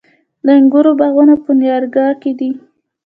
د انګورو باغونه په نیاګرا کې دي.